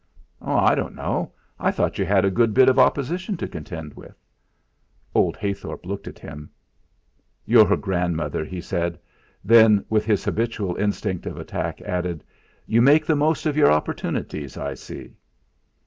"Oh! I don't know. I thought you had a good bit of opposition to contend with." Old Heythorp looked at him. "Your grandmother!" he said; then, with his habitual instinct of attack, added: "You make the most of your opportunities, I see."